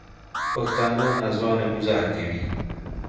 پښتانه نا ځوانه ګوزار کوي